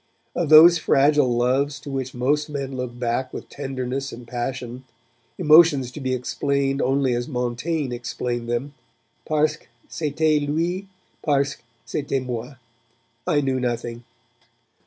Of those fragile loves to which most men look back with tenderness and passion, emotions to be explained only as Montaigne explained them, parceque c'etait lui, parceque c'etait moi, I knew nothing.